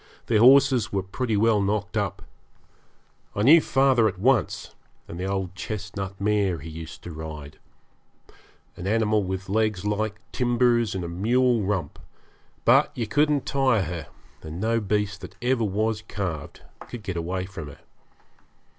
Their horses were pretty well knocked up. I knew father at once, and the old chestnut mare he used to ride an animal with legs like timbers and a mule rump; but you couldn't tire her, and no beast that ever was calved could get away from her.